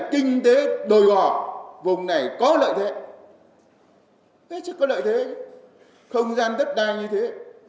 thế chứ có lợi thế chứ không gian đất đai như thế